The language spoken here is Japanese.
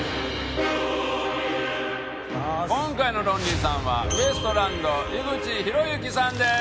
今回のロンリーさんはウエストランド井口浩之さんです。